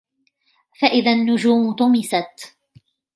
فَإِذَا النُّجُومُ طُمِسَتْ